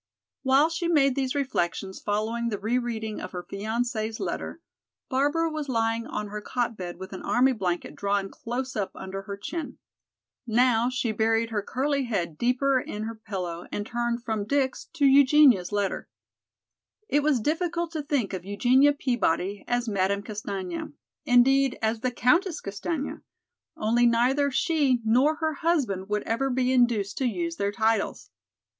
While she made these reflections following the rereading of her fiancé's letter, Barbara was lying on her cot bed with an army blanket drawn close up under her chin. Now she buried her curly head deeper in her pillow and turned from Dick's to Eugenia's letter. It was difficult to think of Eugenia Peabody as Madame Castaigne, indeed as the Countess Castaigne, only neither she nor her husband would ever be induced to use their titles.